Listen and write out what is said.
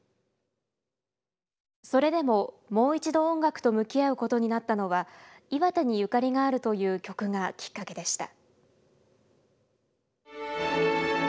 それでももう一度音楽と向き合うことになったのは岩手にゆかりがあるという曲がきっかけでした。